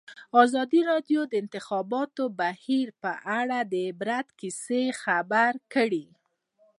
ازادي راډیو د د انتخاباتو بهیر په اړه د عبرت کیسې خبر کړي.